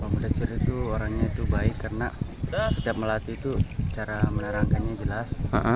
moder itu orangnya itu baik karena setiap melatih itu cara menerangkannya jelas